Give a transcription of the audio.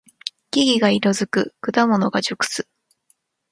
木々が色づく。果物が熟す。